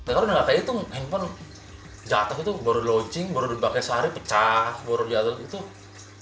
kalau udah nggak kaya hitung handphone jatuh itu baru di launching baru dibakain sehari pecah baru jatuh